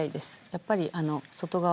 やっぱり外側は。